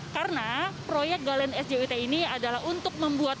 karena proyek galian sjut ini adalah untuk membuat